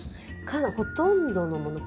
かなりほとんどのもの。